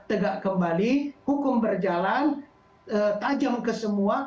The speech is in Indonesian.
tegak kembali hukum berjalan tajam ke semua